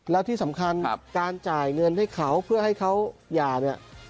แล้วที่สำคัญการจ่ายเงินให้เขาเพื่อให้เขาหย่าเนี่ย